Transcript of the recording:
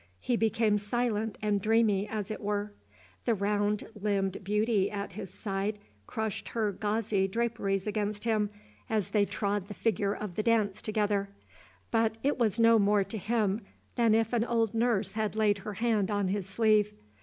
He became silent, and dreamy, as it were. The round limbed beauty at his side crushed her gauzy draperies against him, as they trod the figure of the dance together, but it was no more to him than if an old nurse had laid her hand on his sleeve.